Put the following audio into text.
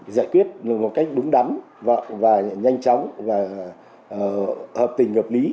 giải quyết một cách đúng đắn nhanh chóng hợp tình hợp lý